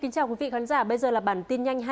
chào mừng quý vị đến với bản tin nhanh hai mươi